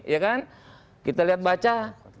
ya kan kita lihat baca